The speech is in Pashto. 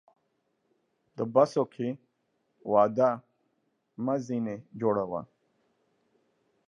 د بسوگى واده مه ځيني جوړوه.